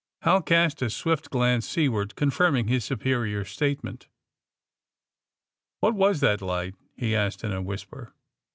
'* Hal cast a swift glance seaward, confirming his superior's statement. ^^What was that lights' he asked in a whis per.